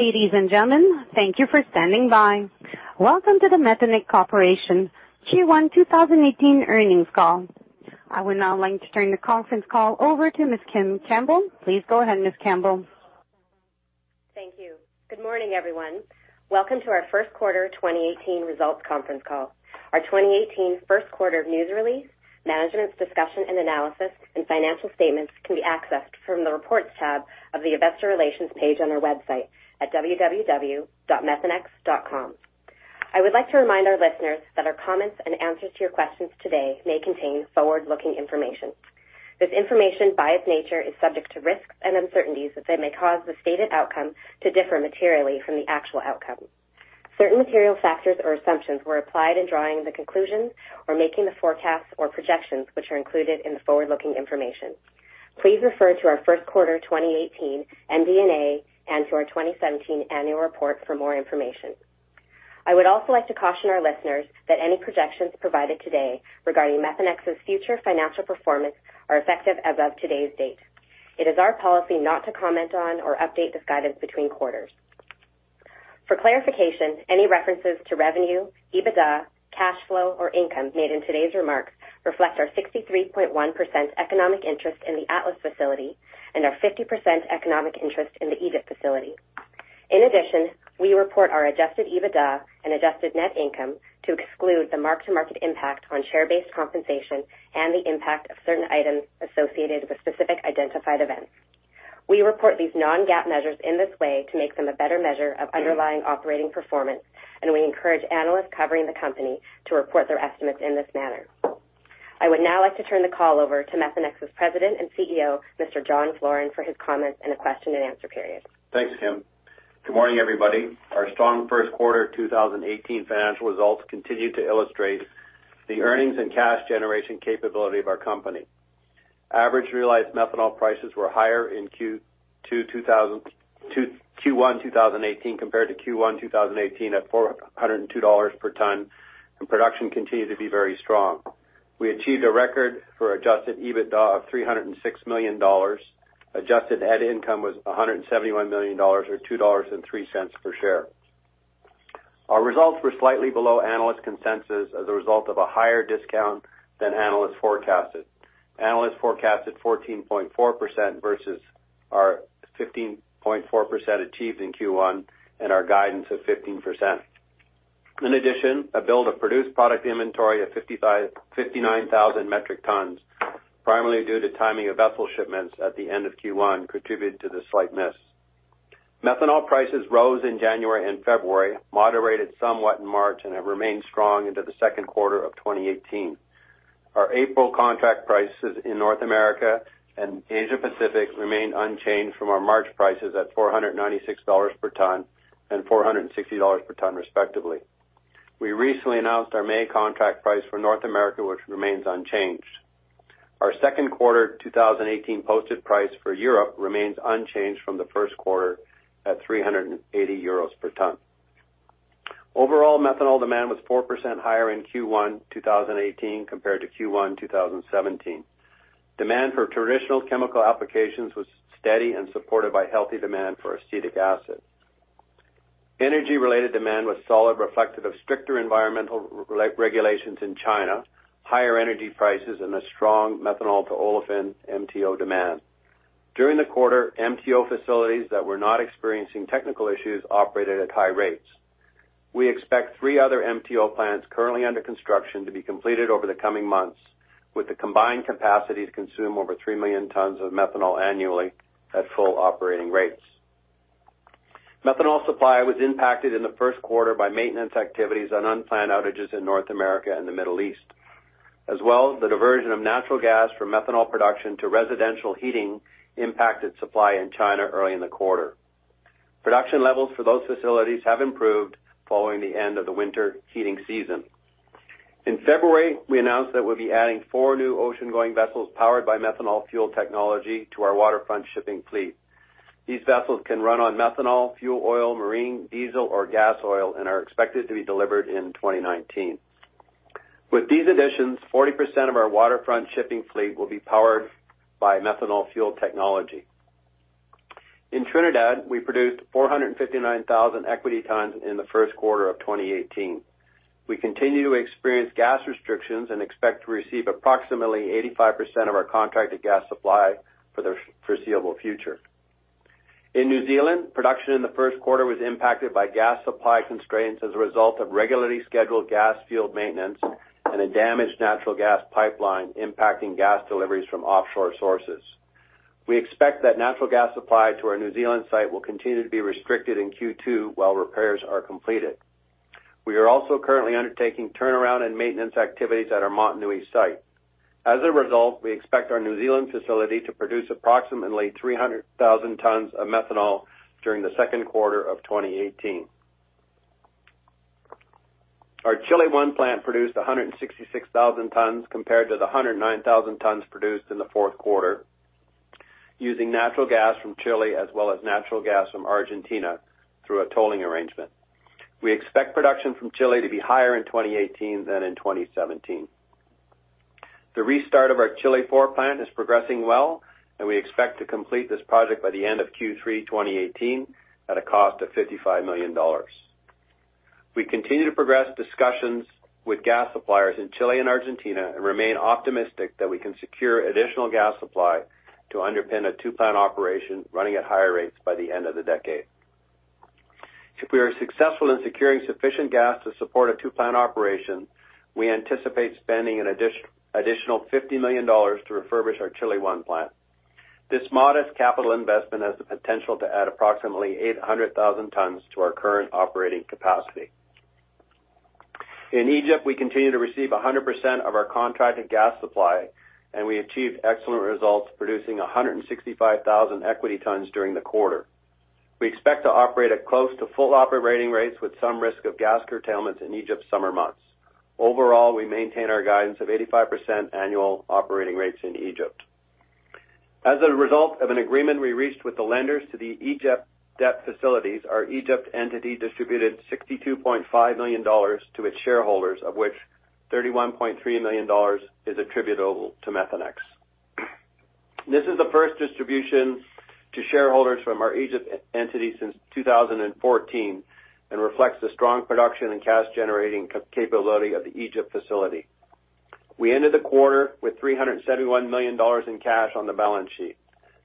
Ladies and gentlemen, thank you for standing by. Welcome to the Methanex Corporation Q1 2018 earnings call. I would now like to turn the conference call over to Ms. Kim Campbell. Please go ahead, Ms. Campbell. Thank you. Good morning, everyone. Welcome to our first quarter 2018 results conference call. Our 2018 first quarter news release, Management's Discussion and Analysis, and financial statements can be accessed from the Reports tab of the investor relations page on our website at www.methanex.com. I would like to remind our listeners that our comments and answers to your questions today may contain forward-looking information. This information, by its nature, is subject to risks and uncertainties that may cause the stated outcome to differ materially from the actual outcome. Certain material factors or assumptions were applied in drawing the conclusions or making the forecasts or projections, which are included in the forward-looking information. Please refer to our first quarter 2018 MD&A and to our 2017 annual report for more information. I would also like to caution our listeners that any projections provided today regarding Methanex's future financial performance are effective as of today's date. It is our policy not to comment on or update this guidance between quarters. For clarification, any references to revenue, EBITDA, cash flow, or income made in today's remarks reflect our 63.1% economic interest in the Atlas facility and our 50% economic interest in the Egypt facility. In addition, we report our adjusted EBITDA and adjusted net income to exclude the mark-to-market impact on share-based compensation and the impact of certain items associated with specific identified events. We report these non-GAAP measures in this way to make them a better measure of underlying operating performance, and we encourage analysts covering the company to report their estimates in this manner. I would now like to turn the call over to Methanex's President and CEO, Mr. John Floren, for his comments and a question and answer period. Thanks, Kim. Good morning, everybody. Our strong first quarter 2018 financial results continue to illustrate the earnings and cash generation capability of our company. Average realized methanol prices were higher in Q1 2018 compared to Q1 2018 at $402 per ton, and production continued to be very strong. We achieved a record for adjusted EBITDA of $306 million. Adjusted net income was $171 million, or $2.03 per share. Our results were slightly below analyst consensus as a result of a higher discount than analysts forecasted. Analysts forecasted 14.4% versus our 15.4% achieved in Q1 and our guidance of 15%. In addition, a build of produced product inventory of 59,000 metric tons, primarily due to timing of vessel shipments at the end of Q1 contributed to the slight miss. Methanol prices rose in January and February, moderated somewhat in March, and have remained strong into the second quarter of 2018. Our April contract prices in North America and Asia Pacific remain unchanged from our March prices at $496 per ton and $460 per ton respectively. We recently announced our May contract price for North America, which remains unchanged. Our second quarter 2018 posted price for Europe remains unchanged from the first quarter at 380 euros per ton. Overall, methanol demand was 4% higher in Q1 2018 compared to Q1 2017. Demand for traditional chemical applications was steady and supported by healthy demand for acetic acid. Energy-related demand was solid, reflective of stricter environmental regulations in China, higher energy prices, and a strong methanol-to-olefin MTO demand. During the quarter, MTO facilities that were not experiencing technical issues operated at high rates. We expect three other MTO plants currently under construction to be completed over the coming months with the combined capacity to consume over 3 million tons of methanol annually at full operating rates. Methanol supply was impacted in the first quarter by maintenance activities and unplanned outages in North America and the Middle East. As well, the diversion of natural gas from methanol production to residential heating impacted supply in China early in the quarter. Production levels for those facilities have improved following the end of the winter heating season. In February, we announced that we'll be adding four new ocean-going vessels powered by methanol fuel technology to our Waterfront Shipping fleet. These vessels can run on methanol, fuel oil, marine diesel, or gas oil and are expected to be delivered in 2019. With these additions, 40% of our Waterfront Shipping fleet will be powered by methanol fuel technology. In Trinidad, we produced 459,000 equity tons in the first quarter of 2018. We continue to experience gas restrictions and expect to receive approximately 85% of our contracted gas supply for the foreseeable future. In New Zealand, production in the first quarter was impacted by gas supply constraints as a result of regularly scheduled gas field maintenance and a damaged natural gas pipeline impacting gas deliveries from offshore sources. We expect that natural gas supply to our New Zealand site will continue to be restricted in Q2 while repairs are completed. We are also currently undertaking turnaround and maintenance activities at our Motunui site. As a result, we expect our New Zealand facility to produce approximately 300,000 tons of methanol during the second quarter of 2018. Our Chile I plant produced 166,000 tons compared to the 109,000 tons produced in the fourth quarter using natural gas from Chile as well as natural gas from Argentina through a tolling arrangement. We expect production from Chile to be higher in 2018 than in 2017. The restart of our Chile IV plant is progressing well, and we expect to complete this project by the end of Q3 2018 at a cost of $55 million. We continue to progress discussions with gas suppliers in Chile and Argentina, and remain optimistic that we can secure additional gas supply to underpin a two-plant operation running at higher rates by the end of the decade. If we are successful in securing sufficient gas to support a two-plant operation, we anticipate spending an additional $50 million to refurbish our Chile I plant. This modest capital investment has the potential to add approximately 800,000 tons to our current operating capacity. In Egypt, we continue to receive 100% of our contracted gas supply, and we achieved excellent results, producing 165,000 equity tons during the quarter. We expect to operate at close to full operating rates with some risk of gas curtailments in Egypt's summer months. Overall, we maintain our guidance of 85% annual operating rates in Egypt. As a result of an agreement we reached with the lenders to the Egypt debt facilities, our Egypt entity distributed $62.5 million to its shareholders, of which $31.3 million is attributable to Methanex. This is the first distribution to shareholders from our Egypt entity since 2014, and reflects the strong production and cash-generating capability of the Egypt facility. We ended the quarter with $371 million in cash on the balance sheet.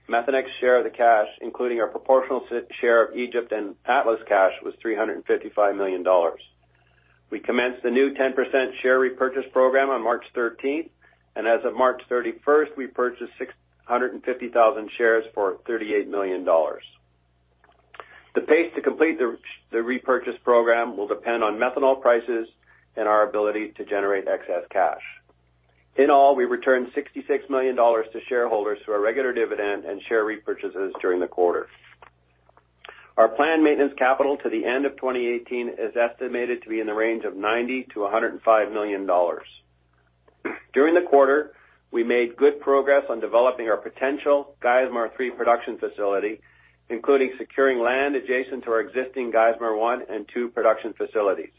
Methanex's share of the cash, including our proportional share of Egypt and Atlas cash, was $355 million. We commenced the new 10% share repurchase program on March 13th, and as of March 31st, we purchased 650,000 shares for $38 million. The pace to complete the repurchase program will depend on methanol prices and our ability to generate excess cash. In all, we returned $66 million to shareholders through our regular dividend and share repurchases during the quarter. Our planned maintenance capital to the end of 2018 is estimated to be in the range of $90 million-$105 million. During the quarter, we made good progress on developing our potential Geismar 3 production facility, including securing land adjacent to our existing Geismar 1 and 2 production facilities.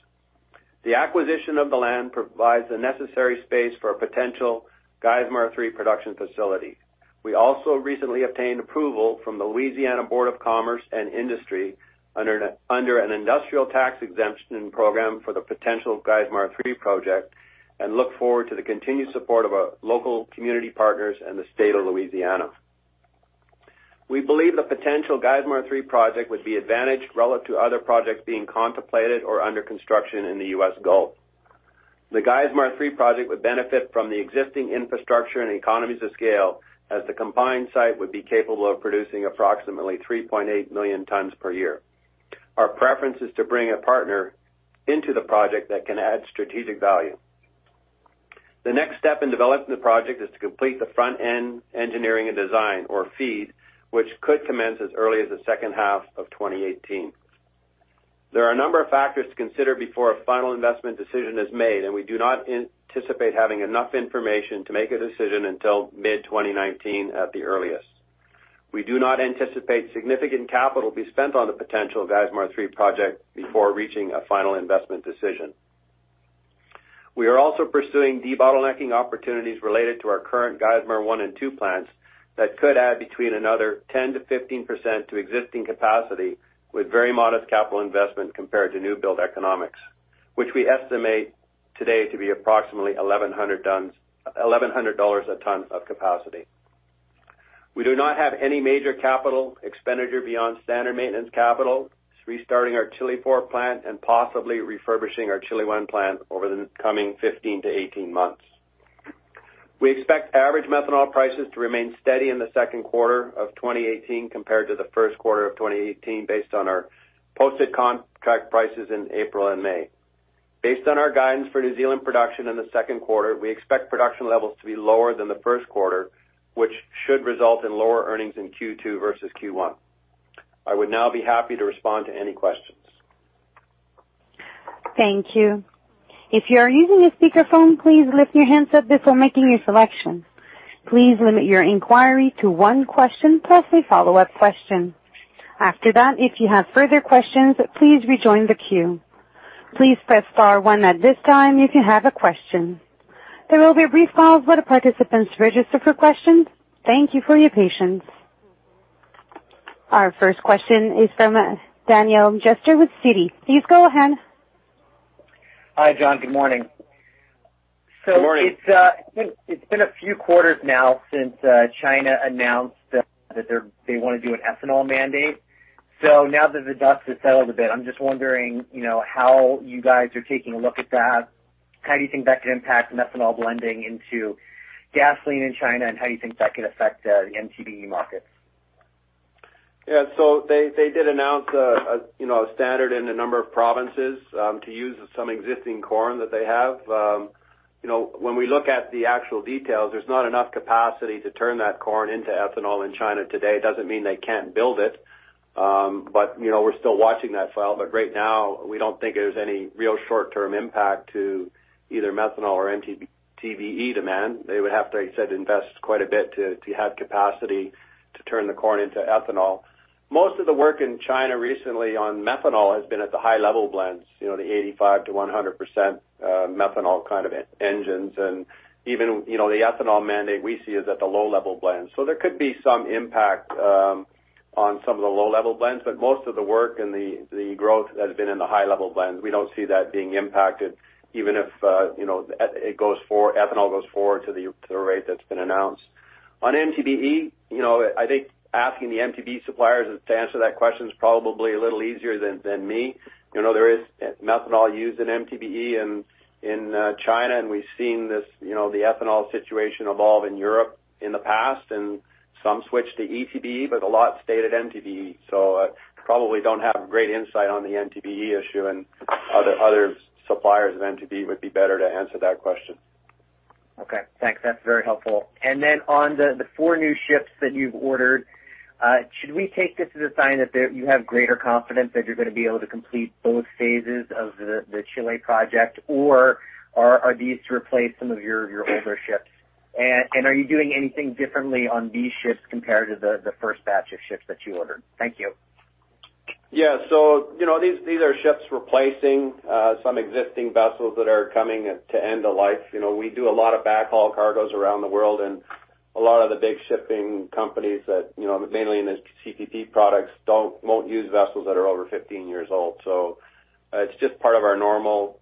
The acquisition of the land provides the necessary space for a potential Geismar 3 production facility. We also recently obtained approval from the Louisiana Board of Commerce and Industry under an Industrial Tax Exemption Program for the potential Geismar 3 project and look forward to the continued support of our local community partners and the state of Louisiana. We believe the potential Geismar 3 project would be advantaged relative to other projects being contemplated or under construction in the U.S. Gulf. The Geismar 3 project would benefit from the existing infrastructure and economies of scale, as the combined site would be capable of producing approximately 3.8 million tons per year. Our preference is to bring a partner into the project that can add strategic value. The next step in developing the project is to complete the front-end engineering and design, or FEED, which could commence as early as the second half of 2018. There are a number of factors to consider before a final investment decision is made, and we do not anticipate having enough information to make a decision until mid-2019 at the earliest. We do not anticipate significant capital be spent on the potential Geismar 3 project before reaching a final investment decision. We are also pursuing debottlenecking opportunities related to our current Geismar 1 and 2 plants that could add between another 10%-15% to existing capacity with very modest capital investment compared to new build economics, which we estimate today to be approximately $1,100 a ton of capacity. We do not have any major capital expenditure beyond standard maintenance capital, restarting our Chile IV plant, and possibly refurbishing our Chile I plant over the coming 15 to 18 months. We expect average methanol prices to remain steady in the second quarter of 2018 compared to the first quarter of 2018, based on our posted contract prices in April and May. Based on our guidance for New Zealand production in the second quarter, we expect production levels to be lower than the first quarter, which should result in lower earnings in Q2 versus Q1. I would now be happy to respond to any questions. Thank you. If you are using a speakerphone, please lift your handset before making your selection. Please limit your inquiry to one question, plus a follow-up question. After that, if you have further questions, please rejoin the queue. Please press star one at this time if you have a question. There will be a brief pause while the participants register for questions. Thank you for your patience. Our first question is from Daniel Jester with Citi. Please go ahead. Hi, John. Good morning. Good morning. It's been a few quarters now since China announced that they want to do an ethanol mandate. Now that the dust has settled a bit, I'm just wondering how you guys are taking a look at that. How do you think that could impact methanol blending into gasoline in China, and how do you think that could affect the MTBE markets? They did announce a standard in a number of provinces to use some existing corn that they have. When we look at the actual details, there's not enough capacity to turn that corn into ethanol in China today. It doesn't mean they can't build it. We're still watching that file. Right now, we don't think there's any real short-term impact to either methanol or MTBE demand. They would have to, as you said, invest quite a bit to have capacity to turn the corn into ethanol. Most of the work in China recently on methanol has been at the high-level blends, the 85%-100% methanol kind of engines. Even the ethanol mandate we see is at the low-level blends. There could be some impact on some of the low-level blends, but most of the work and the growth has been in the high-level blends. We don't see that being impacted, even if ethanol goes forward to the rate that's been announced. On MTBE, I think asking the MTBE suppliers to answer that question is probably a little easier than me. There is methanol used in MTBE in China, and we've seen the ethanol situation evolve in Europe in the past, and some switched to ETBE, but a lot stayed at MTBE. Probably don't have great insight on the MTBE issue, and other suppliers of MTBE would be better to answer that question. Thanks. That's very helpful. On the four new ships that you've ordered, should we take this as a sign that you have greater confidence that you're going to be able to complete both phases of the Chile project, or are these to replace some of your older ships? Are you doing anything differently on these ships compared to the first batch of ships that you ordered? Thank you. Yeah. These are ships replacing some existing vessels that are coming to end of life. We do a lot of backhaul cargoes around the world, and a lot of the big shipping companies, mainly in the CPP products, won't use vessels that are over 15 years old. It's just part of our normal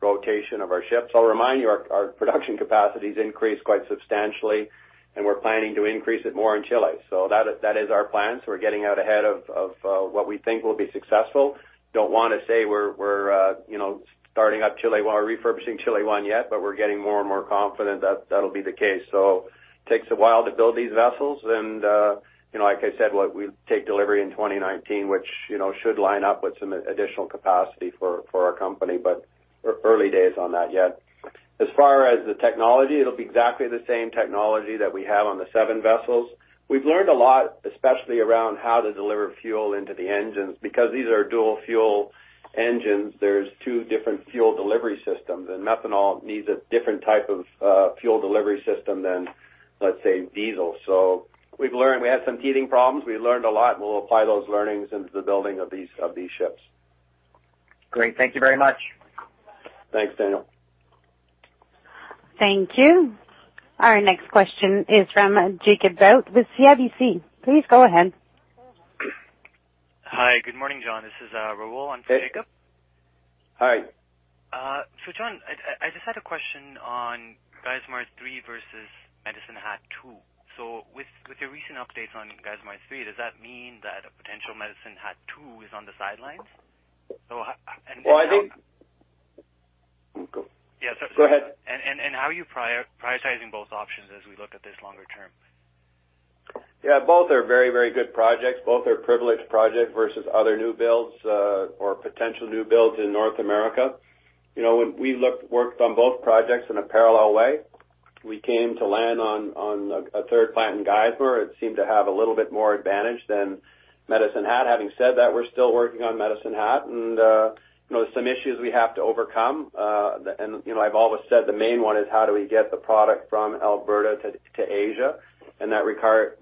rotation of our ships. I'll remind you, our production capacity's increased quite substantially, and we're planning to increase it more in Chile. That is our plan. We're getting out ahead of what we think will be successful. Don't want to say we're starting up Chile I or refurbishing Chile I yet, but we're getting more and more confident that'll be the case. Takes a while to build these vessels and, like I said, we take delivery in 2019, which should line up with some additional capacity for our company, but early days on that yet. As far as the technology, it'll be exactly the same technology that we have on the seven vessels. We've learned a lot, especially around how to deliver fuel into the engines. Because these are dual fuel engines, there's two different fuel delivery systems, and methanol needs a different type of fuel delivery system than, let's say, diesel. We've learned. We had some teething problems. We learned a lot, and we'll apply those learnings into the building of these ships. Great. Thank you very much. Thanks, Daniel. Thank you. Our next question is from Jacob Bout with CIBC. Please go ahead. Hi. Good morning, John. This is Raul. I'm for Jacob. Hi. John, I just had a question on Geismar 3 versus Medicine Hat 2. With your recent updates on Geismar 3, does that mean that a potential Medicine Hat 2 is on the sidelines? Well, I think- how- Go. Yeah. Go ahead. How are you prioritizing both options as we look at this longer term? Both are very good projects. Both are privileged projects versus other new builds or potential new builds in North America. We worked on both projects in a parallel way. We came to land on a third plant in Geismar. It seemed to have a little bit more advantage than Medicine Hat. Having said that, we're still working on Medicine Hat, and there are some issues we have to overcome. I've always said the main one is how do we get the product from Alberta to Asia, and that requires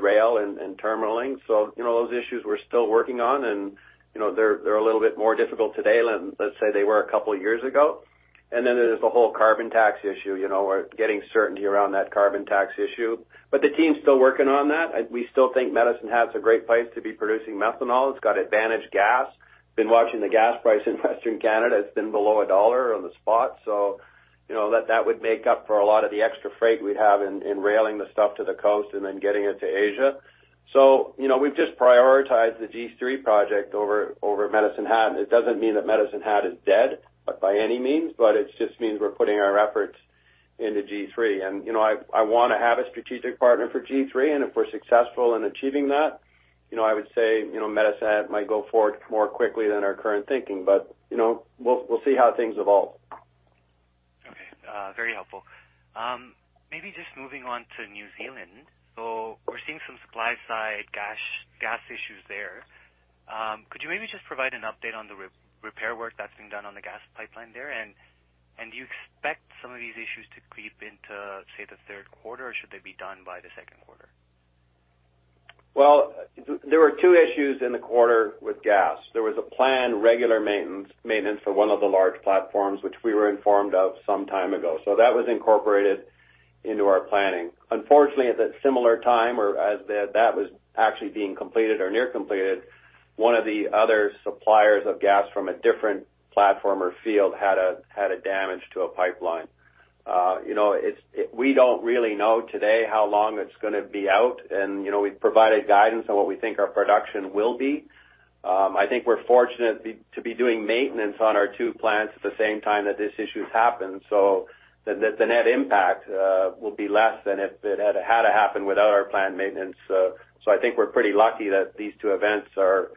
rail and terminaling. Those issues we're still working on, and they are a little bit more difficult today than, let's say, they were a couple of years ago. Then there is the whole carbon tax issue. We're getting certainty around that carbon tax issue. The team's still working on that. We still think Medicine Hat's a great place to be producing methanol. It's got advantaged gas. Been watching the gas price in Western Canada. It's been below $1 on the spot. That would make up for a lot of the extra freight we'd have in railing the stuff to the coast and then getting it to Asia. We've just prioritized the G3 project over Medicine Hat. It doesn't mean that Medicine Hat is dead by any means, but it just means we're putting our efforts into G3. I want to have a strategic partner for G3, and if we're successful in achieving that, I would say, Medicine Hat might go forward more quickly than our current thinking. We'll see how things evolve. Okay. Very helpful. Maybe just moving on to New Zealand. We're seeing some supply-side gas issues there. Could you maybe just provide an update on the repair work that's been done on the gas pipeline there? Do you expect some of these issues to creep into, say, the third quarter, or should they be done by the second quarter? There were two issues in the quarter with gas. There was a planned regular maintenance for one of the large platforms, which we were informed of some time ago. That was incorporated into our planning. Unfortunately, at that similar time, or as that was actually being completed or near completed, one of the other suppliers of gas from a different platform or field had a damage to a pipeline. We don't really know today how long it's going to be out, and we've provided guidance on what we think our production will be. I think we're fortunate to be doing maintenance on our two plants at the same time that this issue's happened, so the net impact will be less than if it had happened without our planned maintenance. I think we're pretty lucky that these two events are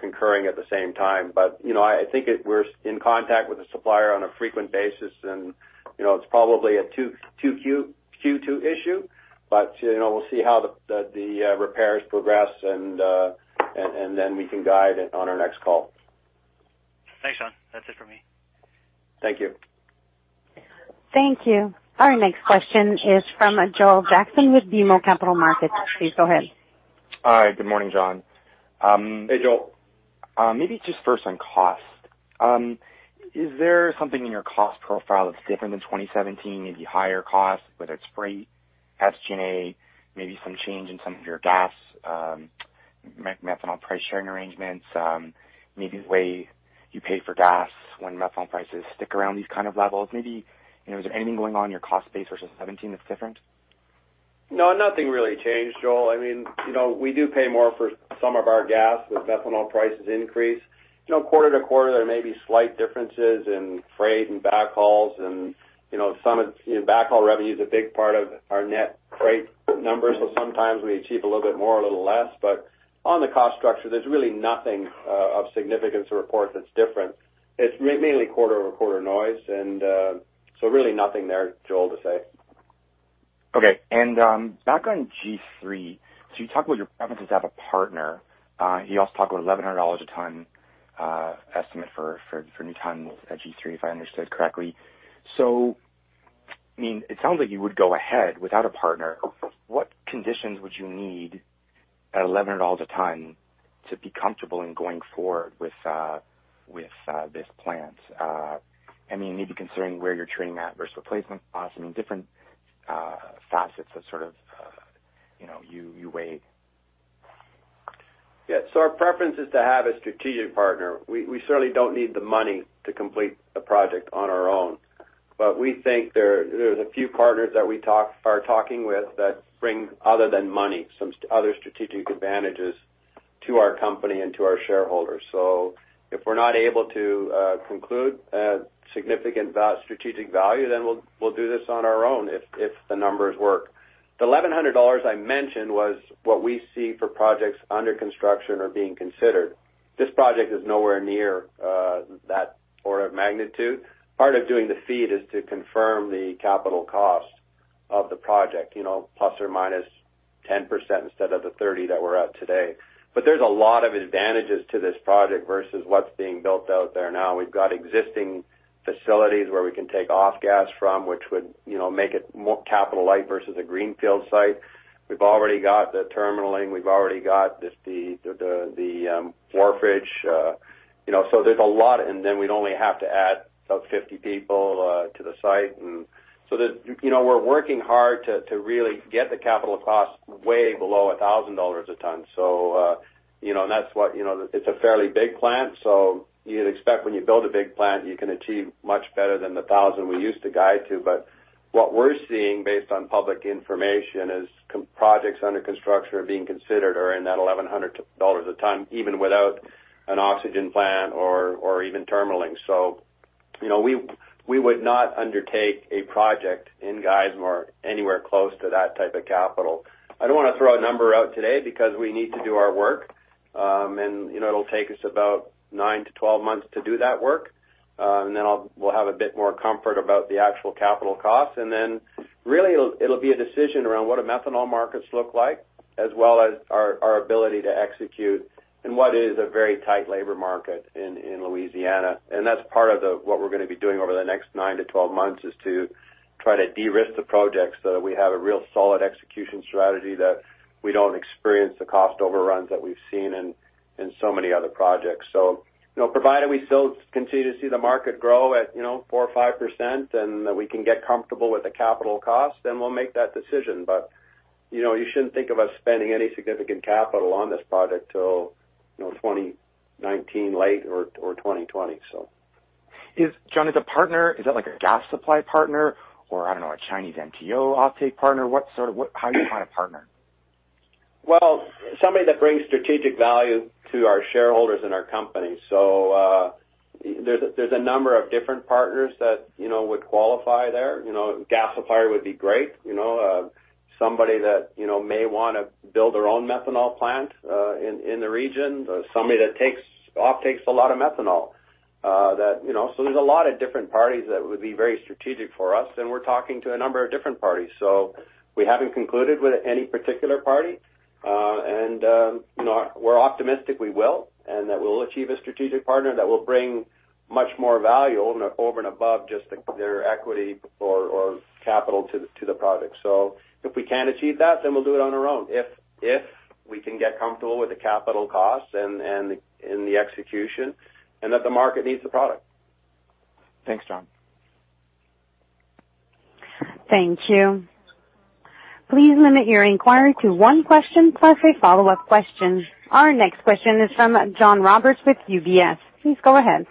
concurring at the same time. I think we're in contact with the supplier on a frequent basis, and it's probably a Q2 issue. We'll see how the repairs progress, and then we can guide on our next call. Thanks, John. That's it from me. Thank you. Thank you. Our next question is from Joel Jackson with BMO Capital Markets. Please go ahead. Hi. Good morning, John. Hey, Joel. Maybe just first on cost. Is there something in your cost profile that's different than 2017? Maybe higher costs, whether it's freight, SG&A, maybe some change in some of your gas methanol price sharing arrangements, maybe the way you pay for gas when methanol prices stick around these kind of levels. Is there anything going on in your cost base versus 2017 that's different? No, nothing really changed, Joel. We do pay more for some of our gas with methanol prices increase. Quarter-to-quarter, there may be slight differences in freight and backhauls. Backhaul revenue is a big part of our net freight numbers, sometimes we achieve a little bit more, a little less. On the cost structure, there's really nothing of significance to report that's different. It's mainly quarter-over-quarter noise, really nothing there, Joel, to say. Okay. Back on G3. You talked about your preference is to have a partner. You also talked about $1,100 a ton estimate for new ton at G3, if I understood correctly. It sounds like you would go ahead without a partner. What conditions would you need at $1,100 a ton to be comfortable in going forward with this plant? Maybe considering where you're trading at versus replacement costs and different facets that you weigh. Yeah. Our preference is to have a strategic partner. We certainly don't need the money to complete the project on our own. We think there's a few partners that we are talking with that bring, other than money, some other strategic advantages to our company and to our shareholders. If we're not able to conclude significant strategic value, we'll do this on our own if the numbers work. The $1,100 I mentioned was what we see for projects under construction or being considered. This project is nowhere near that order of magnitude. Part of doing the FEED is to confirm the capital cost of the project, plus or minus 10% instead of the 30% that we're at today. There's a lot of advantages to this project versus what's being built out there now. We've got existing facilities where we can take off gas from, which would make it more capital light versus a greenfield site. We've already got the terminalling. We've already got the wharfage. There's a lot. We'd only have to add about 50 people to the site. We're working hard to really get the capital cost way below $1,000 a ton. It's a fairly big plant, you'd expect when you build a big plant, you can achieve much better than the $1,000 we used to guide to. What we're seeing based on public information is projects under construction or being considered are in that $1,100 a ton, even without an oxygen plant or even terminalling. We would not undertake a project in Geismar anywhere close to that type of capital. I don't want to throw a number out today because we need to do our work. It'll take us about 9 to 12 months to do that work. We'll have a bit more comfort about the actual capital cost. Really, it'll be a decision around what do methanol markets look like, as well as our ability to execute in what is a very tight labor market in Louisiana. That's part of what we're going to be doing over the next 9 to 12 months, is to try to de-risk the project so that we have a real solid execution strategy that we don't experience the cost overruns that we've seen in so many other projects. Provided we still continue to see the market grow at 4% or 5%, and that we can get comfortable with the capital cost, we'll make that decision. You shouldn't think of us spending any significant capital on this project till 2019 late or 2020. John, is the partner, is that like a gas supply partner or, I don't know, a Chinese MTO off-take partner? How do you find a partner? Well, somebody that brings strategic value to our shareholders and our company. There's a number of different partners that would qualify there. A gas supplier would be great. Somebody that may want to build their own methanol plant in the region, or somebody that off takes a lot of methanol. There's a lot of different parties that would be very strategic for us, and we're talking to a number of different parties. We haven't concluded with any particular party. We're optimistic we will, and that we'll achieve a strategic partner that will bring much more value over and above just their equity or capital to the project. If we can't achieve that, then we'll do it on our own. If we can get comfortable with the capital cost and the execution, and that the market needs the product. Thanks, John. Thank you. Please limit your inquiry to one question plus a follow-up question. Our next question is from John Roberts with UBS. Please go ahead.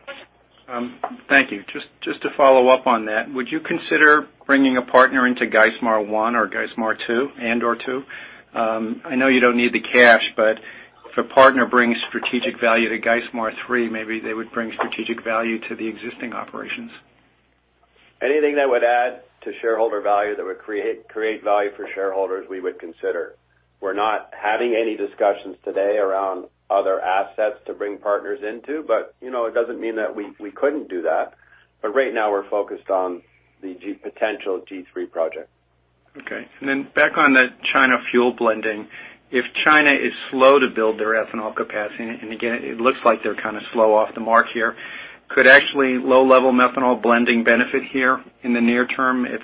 Thank you. Just to follow up on that, would you consider bringing a partner into Geismar 1 or Geismar 2, and or 2? I know you don't need the cash, but if a partner brings strategic value to Geismar 3, maybe they would bring strategic value to the existing operations. Anything that would add to shareholder value, that would create value for shareholders, we would consider. We're not having any discussions today around other assets to bring partners into, it doesn't mean that we couldn't do that. Right now, we're focused on the potential G3 project. Okay. Then back on the China fuel blending. If China is slow to build their ethanol capacity, and again, it looks like they're kind of slow off the mark here, could actually low-level methanol blending benefit here in the near term if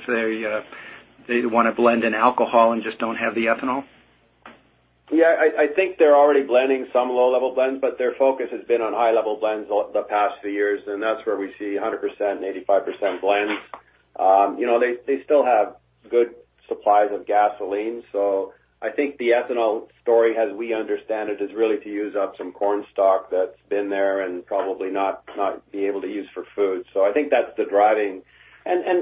they want to blend in alcohol and just don't have the ethanol? Yeah, I think they're already blending some low-level blends, but their focus has been on high-level blends the past few years, and that's where we see 100% and 85% blends. They still have good supplies of gasoline. I think the ethanol story, as we understand it, is really to use up some corn stock that's been there and probably not be able to use for food. I think that's the driving.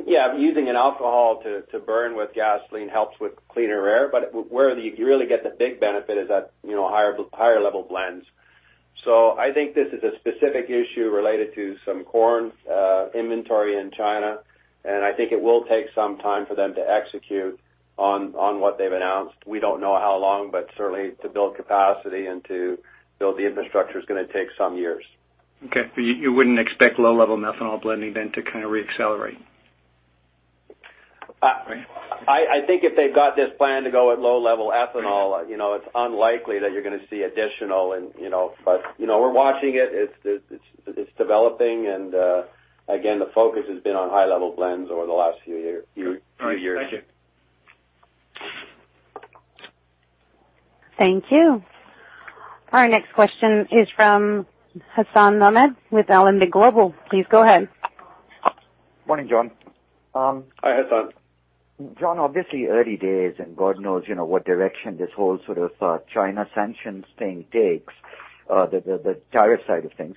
Yeah, using an alcohol to burn with gasoline helps with cleaner air, but where you really get the big benefit is at higher level blends. I think this is a specific issue related to some corn inventory in China, and I think it will take some time for them to execute on what they've announced. We don't know how long, but certainly to build capacity and to build the infrastructure is going to take some years. Okay. You wouldn't expect low-level methanol blending then to kind of re-accelerate. I think if they've got this plan to go at low level ethanol, it's unlikely that you're going to see additional. We're watching it. It's developing. Again, the focus has been on high-level blends over the last few years. All right. Thank you. Thank you. Our next question is from Hassan Ahmed with Alembic Global Advisors. Please go ahead. Morning, John. Hi, Hassan. John, obviously early days, God knows what direction this whole China sanctions thing takes, the tariff side of things.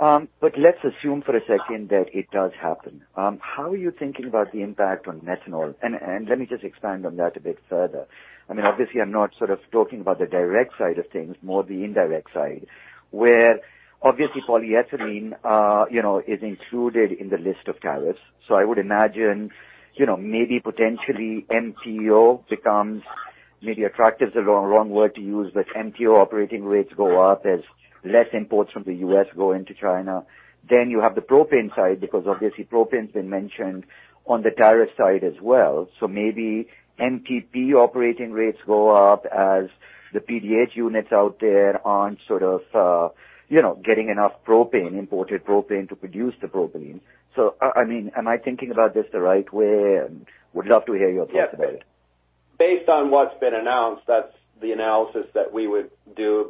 Let's assume for a second that it does happen. How are you thinking about the impact on methanol? Let me just expand on that a bit further. Obviously, I'm not talking about the direct side of things, more the indirect side, where obviously polyethylene is included in the list of tariffs. I would imagine, maybe potentially MTO becomes maybe attractive is the wrong word to use, but MTO operating rates go up as less imports from the U.S. go into China. You have the propane side, because obviously propane's been mentioned on the tariff side as well. Maybe MTP operating rates go up as the PDH units out there aren't getting enough propane, imported propane to produce the propane. Am I thinking about this the right way? Would love to hear your thoughts about it. Yes. Based on what's been announced, that's the analysis that we would do.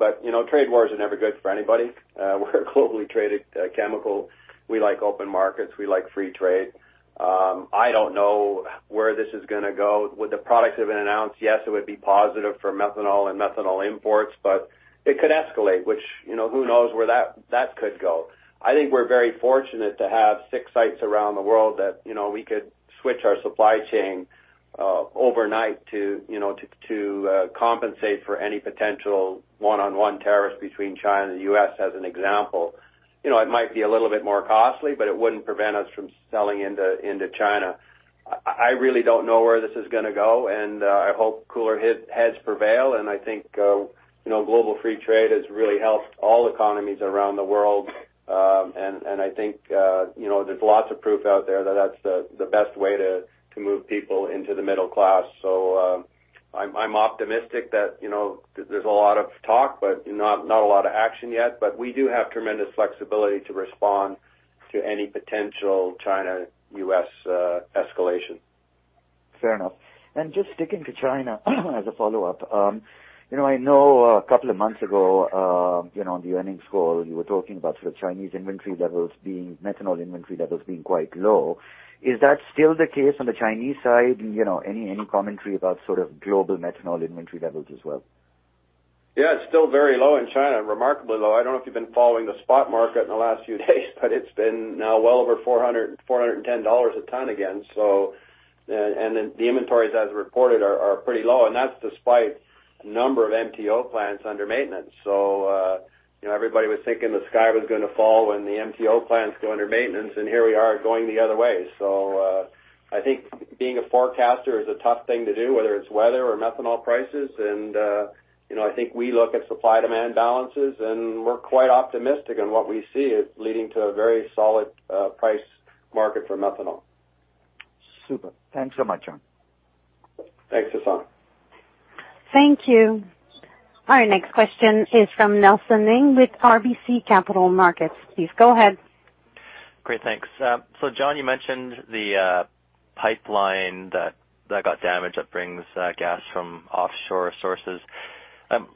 Trade wars are never good for anybody. We're a globally traded chemical. We like open markets. We like free trade. I don't know where this is going to go. With the products that have been announced, yes, it would be positive for methanol and methanol imports, but it could escalate, which who knows where that could go. I think we're very fortunate to have six sites around the world that we could switch our supply chain overnight to compensate for any potential one-on-one tariffs between China and the U.S. as an example. It might be a little bit more costly, but it wouldn't prevent us from selling into China. I really don't know where this is going to go, I hope cooler heads prevail, I think global free trade has really helped all economies around the world. I think there's lots of proof out there that that's the best way to move people into the middle class. I'm optimistic that there's a lot of talk, but not a lot of action yet. We do have tremendous flexibility to respond to any potential China-U.S. escalation. Just sticking to China as a follow-up. I know a couple of months ago, on the earnings call, you were talking about sort of Chinese inventory levels being, methanol inventory levels being quite low. Is that still the case on the Chinese side? Any commentary about sort of global methanol inventory levels as well? Yeah, it's still very low in China, remarkably low. I don't know if you've been following the spot market in the last few days, but it's been now well over $400, $410 a ton again. The inventories as reported are pretty low, and that's despite a number of MTO plants under maintenance. Everybody was thinking the sky was going to fall when the MTO plants go under maintenance, and here we are going the other way. I think being a forecaster is a tough thing to do, whether it's weather or methanol prices. I think we look at supply-demand balances, and we're quite optimistic in what we see is leading to a very solid price market for methanol. Super. Thanks so much, John. Thanks, Hassan. Thank you. Our next question is from Nelson Ng with RBC Capital Markets. Please go ahead. Great. Thanks. John, you mentioned the pipeline that got damaged that brings gas from offshore sources.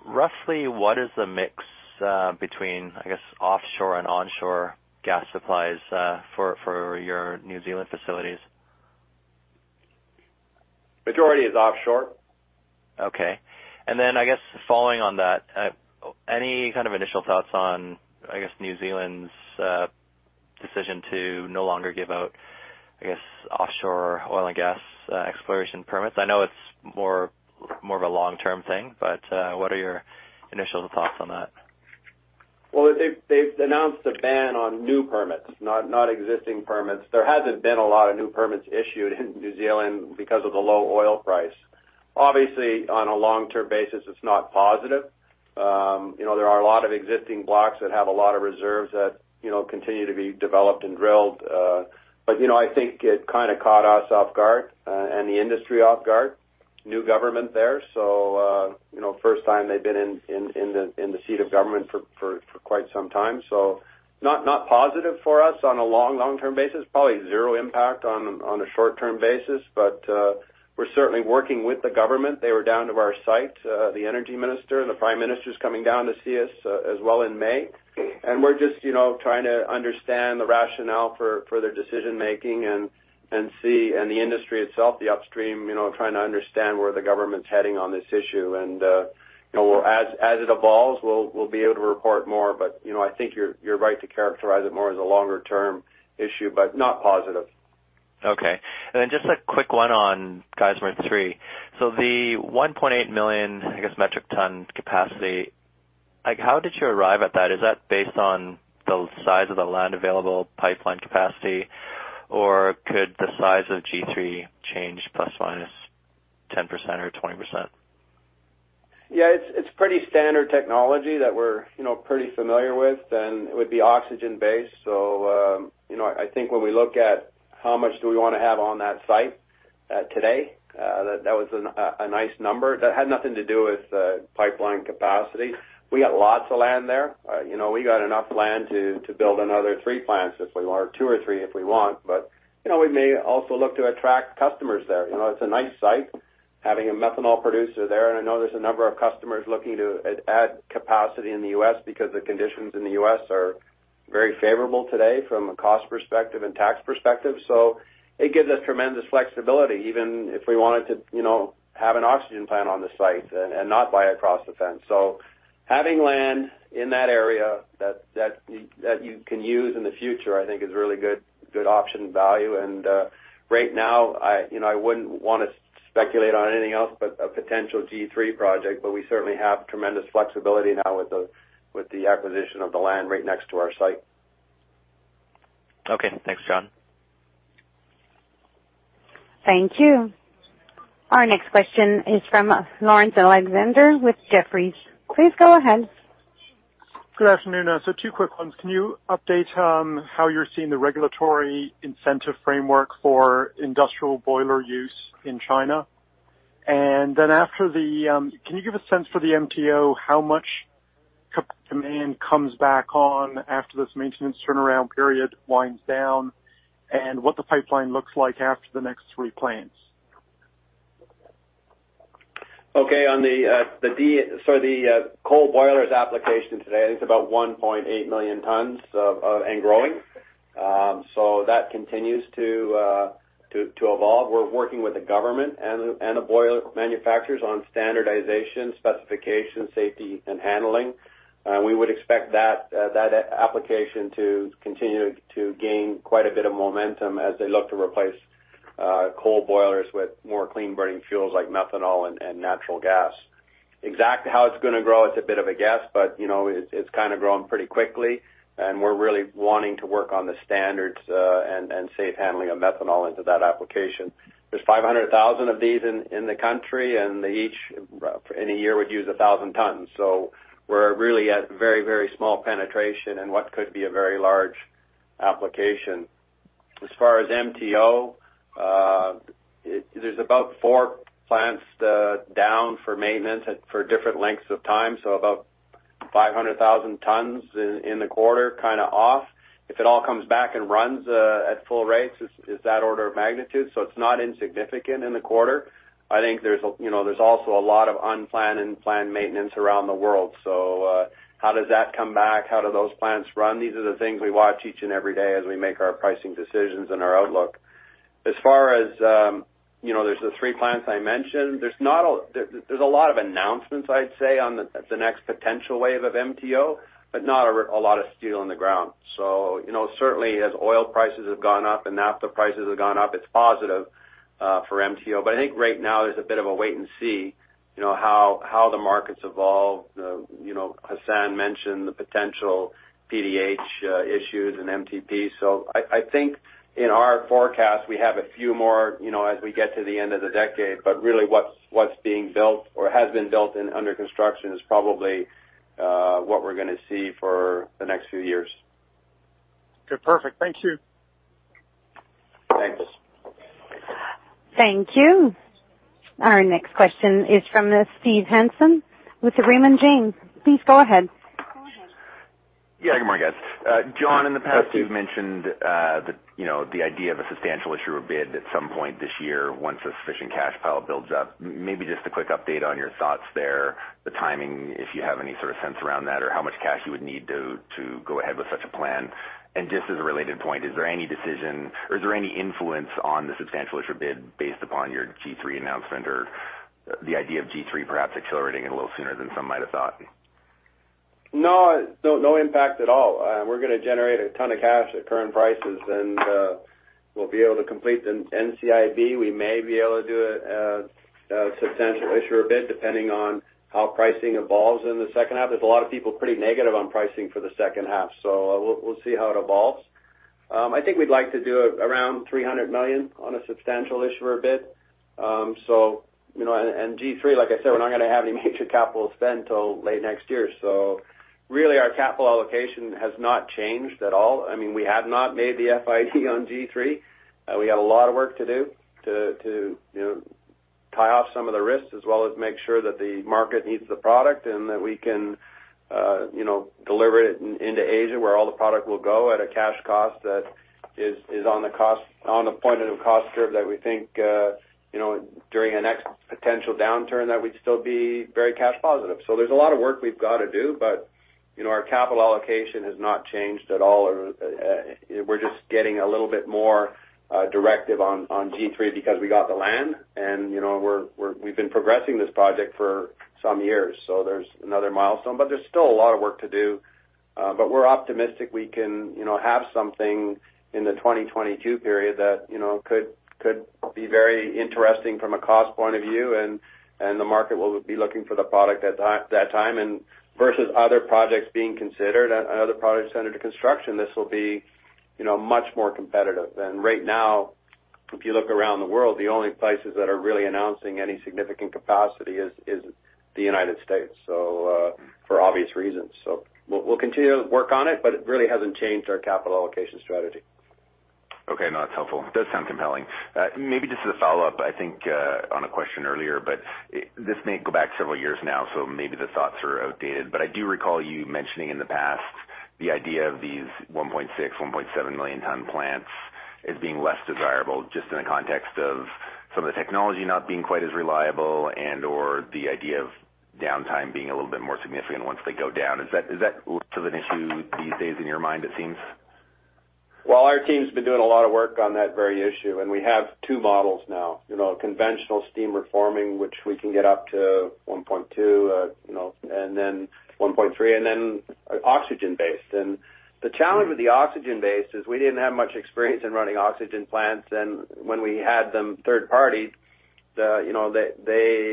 Roughly what is the mix between, I guess, offshore and onshore gas supplies for your New Zealand facilities? Majority is offshore. Okay. I guess following on that, any kind of initial thoughts on, I guess, New Zealand's decision to no longer give out offshore oil and gas exploration permits? I know it's more of a long-term thing, but what are your initial thoughts on that? They've announced a ban on new permits, not existing permits. There hasn't been a lot of new permits issued in New Zealand because of the low oil price. Obviously, on a long-term basis, it's not positive. There are a lot of existing blocks that have a lot of reserves that continue to be developed and drilled. I think it caught us off guard, and the industry off guard. New government there. First time they've been in the seat of government for quite some time. Not positive for us on a long-term basis. Probably 0 impact on a short-term basis. We're certainly working with the government. They were down to our site, the energy minister, and the prime minister's coming down to see us as well in May. We're just trying to understand the rationale for their decision-making and see, and the industry itself, the upstream, trying to understand where the government's heading on this issue. As it evolves, we'll be able to report more. I think you're right to characterize it more as a longer-term issue, but not positive. Okay. Just a quick one on Geismar 3. The 1.8 million, I guess, metric ton capacity, how did you arrive at that? Is that based on the size of the land available pipeline capacity, or could the size of G3 change plus or minus 10% or 20%? Yeah, it's pretty standard technology that we're pretty familiar with, and it would be oxygen-based. I think when we look at how much do we want to have on that site today, that was a nice number. That had nothing to do with pipeline capacity. We got lots of land there. We got enough land to build another three plants if we want, two or three if we want. We may also look to attract customers there. It's a nice site, having a methanol producer there, and I know there's a number of customers looking to add capacity in the U.S. because the conditions in the U.S. are very favorable today from a cost perspective and tax perspective. It gives us tremendous flexibility, even if we wanted to have an oxygen plant on the site and not buy across the fence. Having land in that area that you can use in the future, I think, is really good option value. Right now, I wouldn't want to speculate on anything else but a potential G3 project, we certainly have tremendous flexibility now with the acquisition of the land right next to our site. Okay. Thanks, John. Thank you. Our next question is from Laurence Alexander with Jefferies. Please go ahead. Good afternoon. Two quick ones. Can you update how you're seeing the regulatory incentive framework for industrial boiler use in China? Can you give a sense for the MTO how much demand comes back on after this maintenance turnaround period winds down and what the pipeline looks like after the next three plants? Okay. For the coal boilers application today, I think it's about 1.8 million tons and growing. That continues to evolve. We're working with the government and the boiler manufacturers on standardization, specifications, safety, and handling. We would expect that application to continue to gain quite a bit of momentum as they look to replace coal boilers with more clean-burning fuels like methanol and natural gas. Exactly how it's going to grow, it's a bit of a guess, but it's growing pretty quickly, and we're really wanting to work on the standards and safe handling of methanol into that application. There's 500,000 of these in the country, and each in a year would use 1,000 tons. We're really at very small penetration in what could be a very large application. As far as MTO, there's about four plants down for maintenance for different lengths of time. About 500,000 tons in the quarter off. If it all comes back and runs at full rates, it's that order of magnitude. It's not insignificant in the quarter. I think there's also a lot of unplanned and planned maintenance around the world. How does that come back? How do those plants run? These are the things we watch each and every day as we make our pricing decisions and our outlook. As far as, there's the three plants I mentioned. There's a lot of announcements, I'd say, on the next potential wave of MTO, but not a lot of steel on the ground. Certainly, as oil prices have gone up and naphtha prices have gone up, it's positive for MTO. I think right now there's a bit of a wait and see how the markets evolve. Hassan mentioned the potential PDH issues and MTP. I think in our forecast, we have a few more as we get to the end of the decade. Really what's being built or has been built and under construction is probably what we're going to see for the next few years. Good. Perfect. Thank you. Thanks. Thank you. Our next question is from Steve Hansen with Raymond James. Please go ahead. Yeah. Good morning, guys. Steve. John, in the past, you've mentioned the idea of a substantial issuer bid at some point this year once a sufficient cash pile builds up. Maybe just a quick update on your thoughts there, the timing, if you have any sort of sense around that or how much cash you would need to go ahead with such a plan. Just as a related point, is there any decision or is there any influence on the substantial issuer bid based upon your G3 announcement or the idea of G3 perhaps accelerating it a little sooner than some might have thought? No impact at all. We're going to generate a ton of cash at current prices, and we'll be able to complete the NCIB. We may be able to do a substantial issuer bid depending on how pricing evolves in the second half. There's a lot of people pretty negative on pricing for the second half. We'll see how it evolves. I think we'd like to do around $300 million on a substantial issuer bid. And G3, like I said, we're not going to have any major capital spend till late next year. Really our capital allocation has not changed at all. We have not made the FID on G3. We got a lot of work to do to tie off some of the risks, as well as make sure that the market needs the product and that we can deliver it into Asia, where all the product will go at a cash cost that is on the point of cost curve that we think, during a next potential downturn, that we'd still be very cash positive. There's a lot of work we've got to do, but our capital allocation has not changed at all. We're just getting a little bit more directive on G3 because we got the land and we've been progressing this project for some years, there's another milestone. There's still a lot of work to do. We're optimistic we can have something in the 2022 period that could be very interesting from a cost point of view. The market will be looking for the product at that time. Versus other projects being considered, and other projects under construction, this will be much more competitive. Right now, if you look around the world, the only places that are really announcing any significant capacity is the United States, for obvious reasons. We'll continue to work on it, but it really hasn't changed our capital allocation strategy. Okay. No, that's helpful. It does sound compelling. Maybe just as a follow-up, I think, on a question earlier, but this may go back several years now, so maybe the thoughts are outdated. I do recall you mentioning in the past the idea of these 1.6, 1.7 million ton plants as being less desirable, just in the context of some of the technology not being quite as reliable and/or the idea of downtime being a little bit more significant once they go down. Is that still an issue these days in your mind, it seems? Well, our team's been doing a lot of work on that very issue, and we have two models now. Conventional steam reforming, which we can get up to 1.2, and then 1.3, and then oxygen based. The challenge with the oxygen based is we didn't have much experience in running oxygen plants. When we had them third-party, they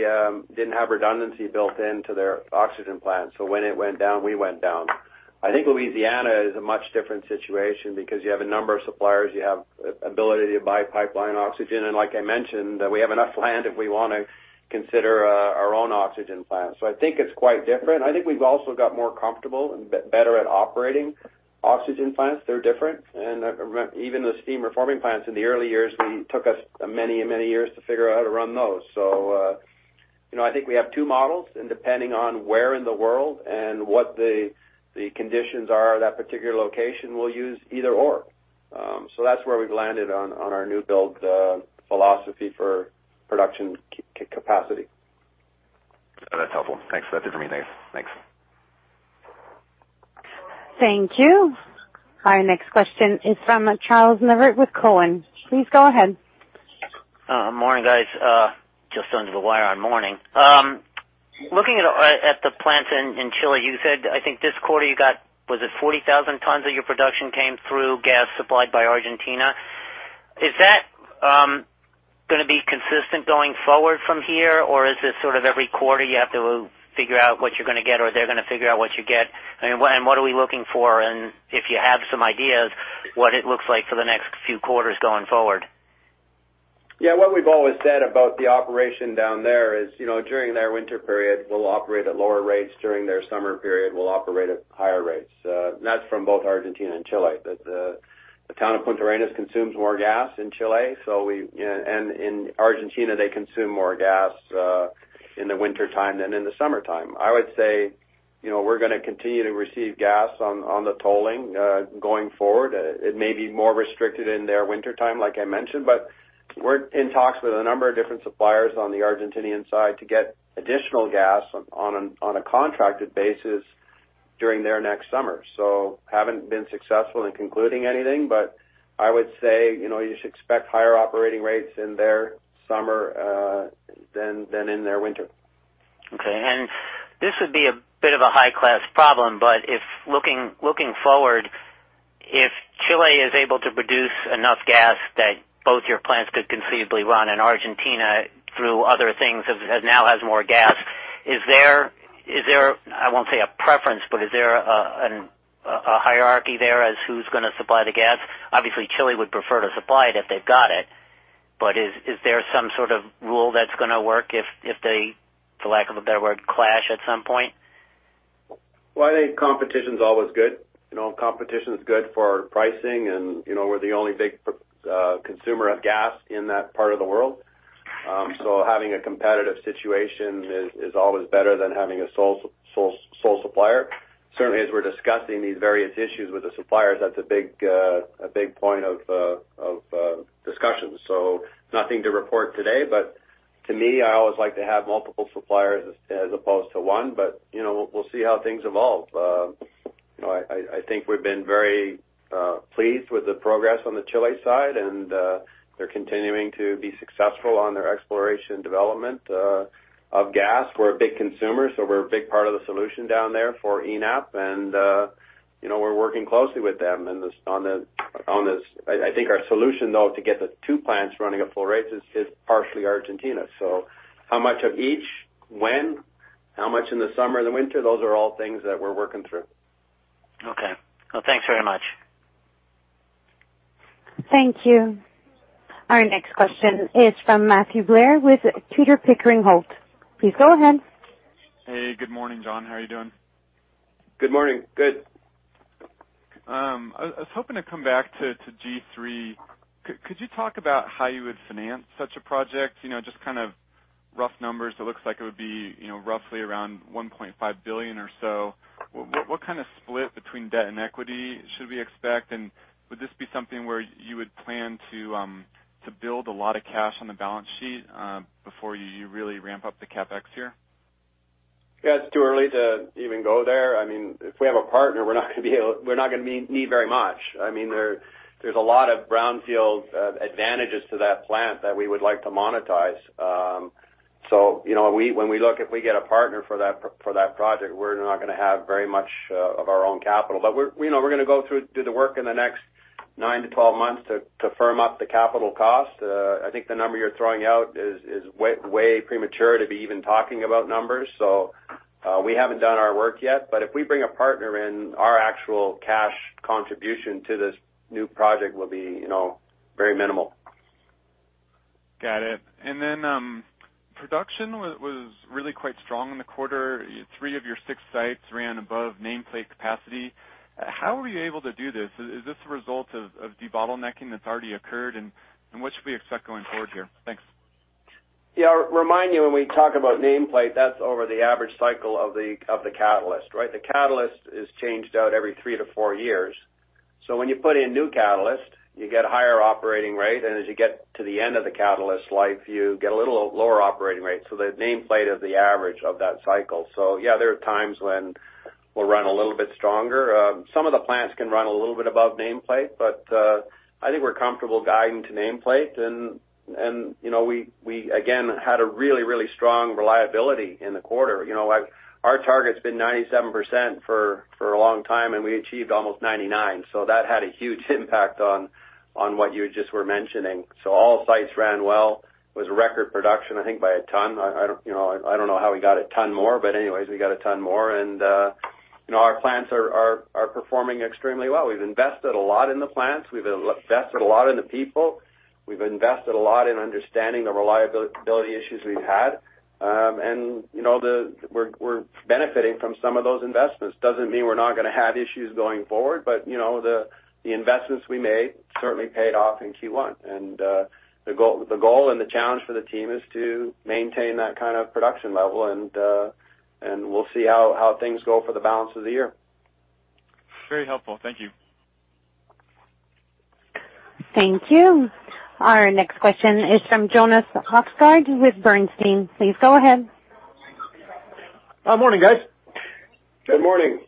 didn't have redundancy built into their oxygen plants. When it went down, we went down. I think Louisiana is a much different situation because you have a number of suppliers. You have ability to buy pipeline oxygen. Like I mentioned, we have enough land if we want to consider our own oxygen plant. I think it's quite different. I think we've also got more comfortable and better at operating oxygen plants. They're different. Even the steam reforming plants in the early years, they took us many years to figure out how to run those. I think we have two models, and depending on where in the world and what the conditions are at that particular location, we'll use either or. That's where we've landed on our new build philosophy for production capacity. That's helpful. Thanks. That's it for me, Dave. Thanks. Thank you. Our next question is from Charles Neivert with Cowen. Please go ahead. Morning, guys. Just under the wire on morning. Looking at the plants in Chile, you said, I think this quarter you got, was it 40,000 tons of your production came through gas supplied by Argentina? Is that going to be consistent going forward from here, or is this sort of every quarter you have to figure out what you're going to get, or they're going to figure out what you get? What are we looking for, and if you have some ideas, what it looks like for the next few quarters going forward? Yeah. What we've always said about the operation down there is, during their winter period, we'll operate at lower rates. During their summer period, we'll operate at higher rates. That's from both Argentina and Chile. The town of Punta Arenas consumes more gas in Chile. In Argentina, they consume more gas in the wintertime than in the summertime. I would say we're going to continue to receive gas on the tolling going forward. It may be more restricted in their wintertime, like I mentioned, but we're in talks with a number of different suppliers on the Argentinian side to get additional gas on a contracted basis during their next summer. Haven't been successful in concluding anything, but I would say, you should expect higher operating rates in their summer than in their winter. Okay. This would be a bit of a high-class problem, if looking forward, if Chile is able to produce enough gas that both your plants could conceivably run in Argentina through other things, as it now has more gas, is there, I won't say a preference, is there a hierarchy there as who's going to supply the gas? Obviously, Chile would prefer to supply it if they've got it, is there some sort of rule that's going to work if they, for lack of a better word, clash at some point? I think competition's always good. Competition's good for pricing, we're the only big consumer of gas in that part of the world. Having a competitive situation is always better than having a sole supplier. Certainly, as we're discussing these various issues with the suppliers, that's a big point of discussion. Nothing to report today, to me, I always like to have multiple suppliers as opposed to one, we'll see how things evolve. I think we've been very pleased with the progress on the Chile side, they're continuing to be successful on their exploration development of gas. We're a big consumer, we're a big part of the solution down there for ENAP, we're working closely with them on this. I think our solution, though, to get the two plants running at full rates is partially Argentina. How much of each, when? How much in the summer and the winter, those are all things that we're working through. Okay. Well, thanks very much. Thank you. Our next question is from Matthew Blair with Tudor, Pickering Holt. Please go ahead. Hey. Good morning, John. How are you doing? Good morning. Good. I was hoping to come back to G3. Could you talk about how you would finance such a project? Just kind of rough numbers. It looks like it would be roughly around $1.5 billion or so. What kind of split between debt and equity should we expect? Would this be something where you would plan to build a lot of cash on the balance sheet, before you really ramp up the CapEx here? Yeah, it's too early to even go there. If we have a partner, we're not going to need very much. There's a lot of brownfield advantages to that plant that we would like to monetize. When we look, if we get a partner for that project, we're not going to have very much of our own capital. We're going to go through, do the work in the next nine to 12 months to firm up the capital cost. I think the number you're throwing out is way premature to be even talking about numbers. We haven't done our work yet, but if we bring a partner in, our actual cash contribution to this new project will be very minimal. Got it. Production was really quite strong in the quarter. Three of your six sites ran above nameplate capacity. How were you able to do this? Is this a result of debottlenecking that's already occurred, and what should we expect going forward here? Thanks. Yeah. Remind you, when we talk about nameplate, that's over the average cycle of the catalyst, right? The catalyst is changed out every three to four years. When you put in new catalyst, you get a higher operating rate, and as you get to the end of the catalyst life, you get a little lower operating rate. The nameplate is the average of that cycle. Yeah, there are times when we'll run a little bit stronger. Some of the plants can run a little bit above nameplate, but, I think we're comfortable guiding to nameplate and we again had a really strong reliability in the quarter. Our target's been 97% for a long time, and we achieved almost 99%. That had a huge impact on what you just were mentioning. All sites ran well, was record production, I think by a ton. I don't know how we got a ton more. Anyways, we got a ton more and our plants are performing extremely well. We've invested a lot in the plants. We've invested a lot in the people. We've invested a lot in understanding the reliability issues we've had. We're benefiting from some of those investments. Doesn't mean we're not going to have issues going forward. The investments we made certainly paid off in Q1. The goal and the challenge for the team is to maintain that kind of production level, and we'll see how things go for the balance of the year. Very helpful. Thank you. Thank you. Our next question is from Jonas Oxgaard with Bernstein. Please go ahead. Morning, guys. Good morning.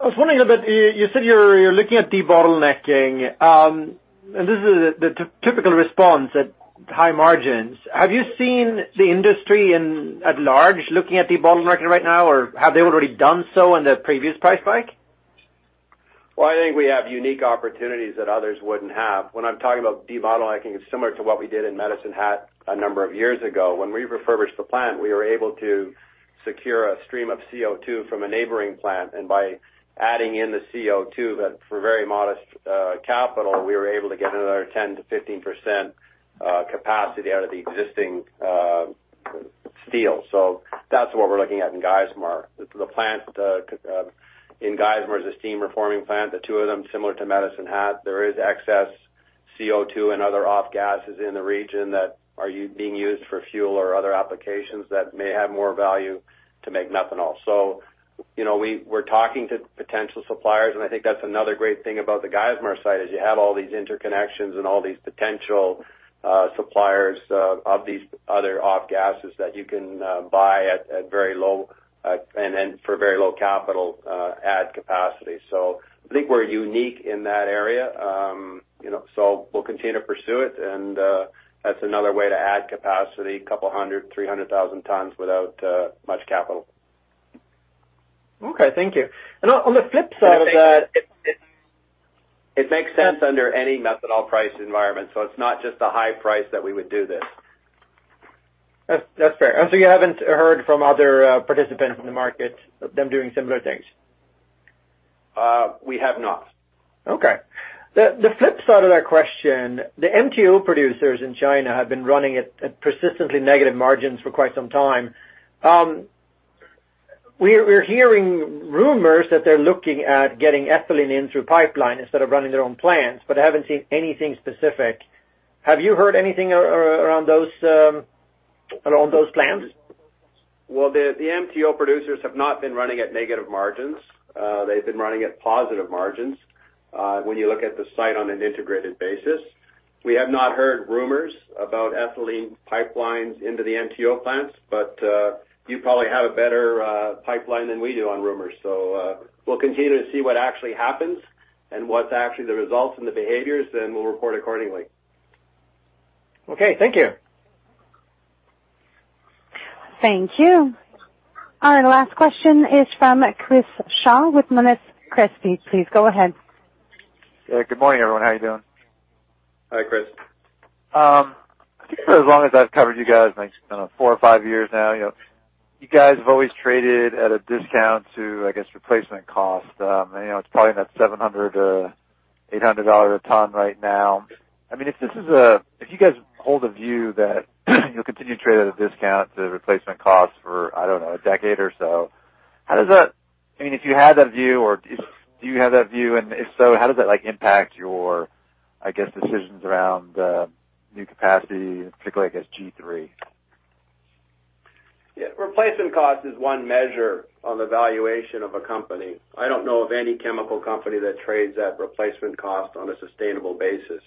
I was wondering a bit, you said you're looking at debottlenecking, and this is the typical response at high margins. Have you seen the industry at large looking at debottlenecking right now, or have they already done so in the previous price hike? Well, I think we have unique opportunities that others wouldn't have. When I'm talking about debottlenecking, it's similar to what we did in Medicine Hat a number of years ago. When we refurbished the plant, we were able to secure a stream of CO2 from a neighboring plant, and by adding in the CO2 for very modest capital, we were able to get another 10%-15% capacity out of the existing steel. That's what we're looking at in Geismar. The plant in Geismar is a steam reforming plant. The two of them similar to Medicine Hat. There is excess CO2 and other off gases in the region that are being used for fuel or other applications that may have more value to make methanol. We're talking to potential suppliers, and I think that's another great thing about the Geismar site, is you have all these interconnections and all these potential suppliers of these other off gases that you can buy at very low, and then for very low capital, add capacity. I think we're unique in that area. We'll continue to pursue it and, that's another way to add capacity, couple hundred, 300,000 tons without much capital. Okay. Thank you. On the flip side of that. It makes sense under any methanol price environment. It's not just the high price that we would do this. That's fair. You haven't heard from other participants in the market, them doing similar things? We have not. Okay. The flip side of that question, the MTO producers in China have been running at persistently negative margins for quite some time. We're hearing rumors that they're looking at getting ethylene in through pipeline instead of running their own plants, but I haven't seen anything specific. Have you heard anything around those plans? Well, the MTO producers have not been running at negative margins. They've been running at positive margins, when you look at the site on an integrated basis. We have not heard rumors about ethylene pipelines into the MTO plants, but you probably have a better pipeline than we do on rumors. We'll continue to see what actually happens and what's actually the results and the behaviors. We'll report accordingly. Okay. Thank you. Thank you. Our last question is from Chris Shaw with Monness, Crespi. Please go ahead. Good morning, everyone. How are you doing? Hi, Chris. For as long as I've covered you guys, four or five years now, you guys have always traded at a discount to replacement cost. It's probably in that $700, $800 a ton right now. If you guys hold a view that you'll continue to trade at a discount to replacement cost for, I don't know, a decade or so, if you had that view or do you have that view, and if so, how does that impact your decisions around new capacity, particularly G3? Replacement cost is one measure on the valuation of a company. I don't know of any chemical company that trades at replacement cost on a sustainable basis.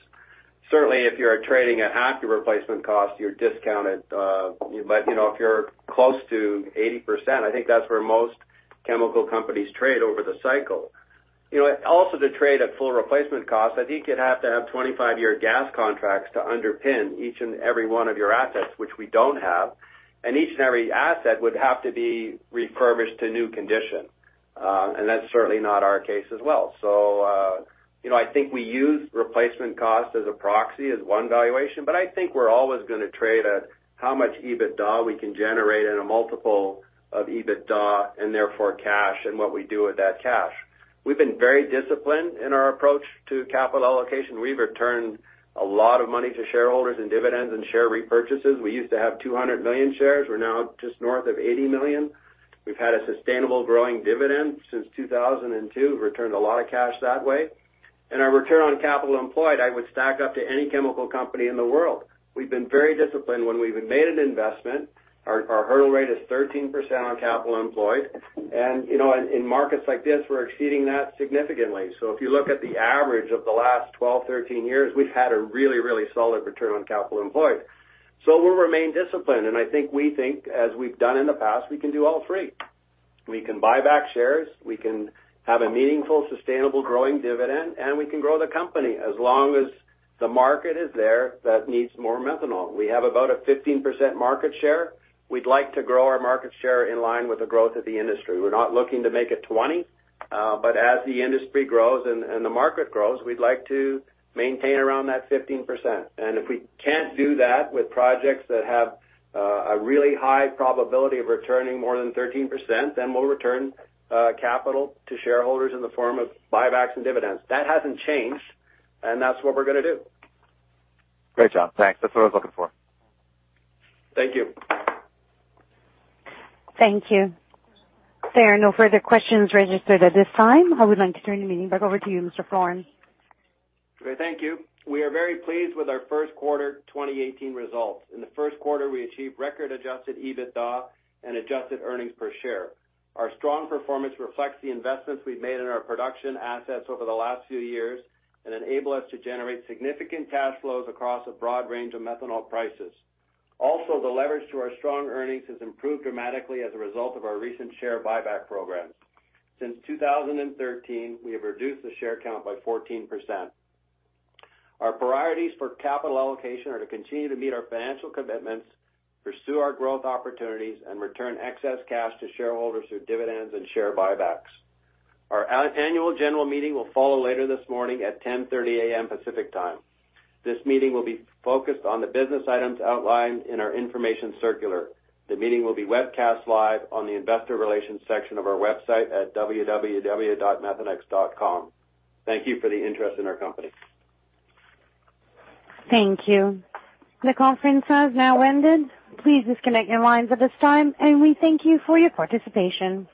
Certainly, if you're trading at half your replacement cost, you're discounted. If you're close to 80%, I think that's where most chemical companies trade over the cycle. Also to trade at full replacement cost, I think you'd have to have 25-year gas contracts to underpin each and every one of your assets, which we don't have. Each and every asset would have to be refurbished to new condition. That's certainly not our case as well. I think we use replacement cost as a proxy, as one valuation, but I think we're always going to trade at how much EBITDA we can generate in a multiple of EBITDA, and therefore cash, and what we do with that cash. We've been very disciplined in our approach to capital allocation. We've returned a lot of money to shareholders in dividends and share repurchases. We used to have 200 million shares. We're now just north of 80 million. We've had a sustainable growing dividend since 2002. We've returned a lot of cash that way. Our return on capital employed, I would stack up to any chemical company in the world. We've been very disciplined when we've made an investment. Our hurdle rate is 13% on capital employed. In markets like this, we're exceeding that significantly. If you look at the average of the last 12, 13 years, we've had a really solid return on capital employed. We'll remain disciplined. I think we think, as we've done in the past, we can do all three. We can buy back shares, we can have a meaningful, sustainable, growing dividend, and we can grow the company as long as the market is there that needs more methanol. We have about a 15% market share. We'd like to grow our market share in line with the growth of the industry. We're not looking to make it 20. As the industry grows and the market grows, we'd like to maintain around that 15%. If we can't do that with projects that have a really high probability of returning more than 13%, then we'll return capital to shareholders in the form of buybacks and dividends. That hasn't changed, and that's what we're going to do. Great job. Thanks. That's what I was looking for. Thank you. Thank you. There are no further questions registered at this time. I would like to turn the meeting back over to you, Mr. Floren. Okay. Thank you. We are very pleased with our first quarter 2018 results. In the first quarter, we achieved record-adjusted EBITDA and adjusted earnings per share. Our strong performance reflects the investments we've made in our production assets over the last few years and enable us to generate significant cash flows across a broad range of methanol prices. Also, the leverage to our strong earnings has improved dramatically as a result of our recent share buyback programs. Since 2013, we have reduced the share count by 14%. Our priorities for capital allocation are to continue to meet our financial commitments, pursue our growth opportunities, and return excess cash to shareholders through dividends and share buybacks. Our annual general meeting will follow later this morning at 10:30 A.M. Pacific Time. This meeting will be focused on the business items outlined in our information circular. The meeting will be webcast live on the investor relations section of our website at www.methanex.com. Thank you for the interest in our company. Thank you. The conference has now ended. Please disconnect your lines at this time, and we thank you for your participation.